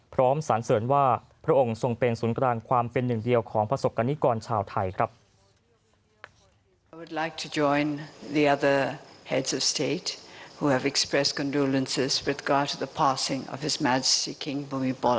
สรรเสริญว่าพระองค์ทรงเป็นศูนย์กลางความเป็นหนึ่งเดียวของประสบกรณิกรชาวไทยครับ